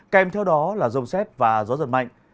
kèm theo đó là rông xét và gió giật mạnh